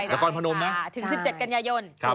แล้วกับผนมนะคะถึง๑๗กันย